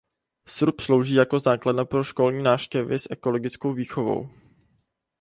Srub slouží jako základna pro školní návštěvy s ekologickou výchovou.